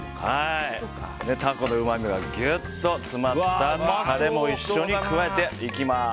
タコのうまみがギュッと詰まったタレも一緒に加えていきます。